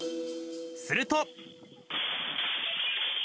すると。